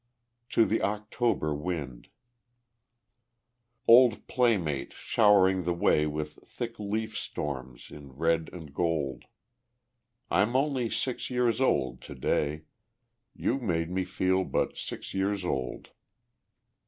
To the October Wind Old playmate, showering the way With thick leaf storms in red and gold, I'm only six years old to day, You've made me feel but six years old.